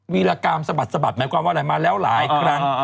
ีรกรรมสะบัดสะบัดหมายความว่าอะไรมาแล้วหลายครั้ง